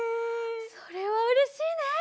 それはうれしいね！